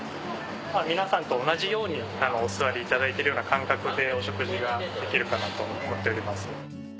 皆さんと同じようにお座りいただいているような感覚でお食事ができるかなと思っております。